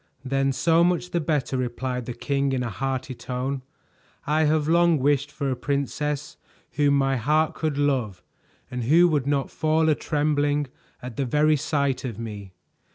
"Then so much the better," replied the king in a hearty tone. "I have long wished for a princess whom my heart could love, and who would not fall a trembling at the very sight of me.